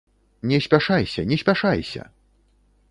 Не спяшайся, не спяшайся!